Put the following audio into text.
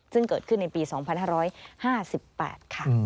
ซึ่งเกิดขึ้นในปี๒๕๕๘ค่ะ